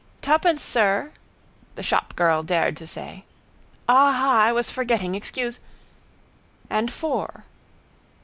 —Twopence, sir, the shopgirl dared to say. —Aha... I was forgetting... Excuse... —And four.